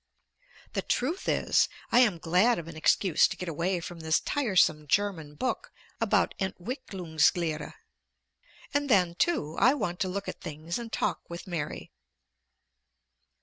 The truth is, I am glad of an excuse to get away from this tiresome German book about Entwicklungslehre. And then, too, I want to look at things and talk with Mary.